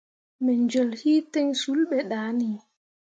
Me jel hi ten sul be dah ni.